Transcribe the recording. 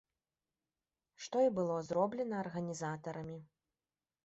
Што і было зроблена арганізатарамі.